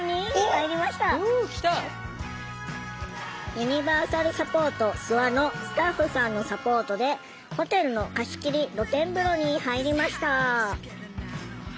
「ユニバーサルサポートすわ」のスタッフさんのサポートでホテルの貸し切り露天風呂に入りました。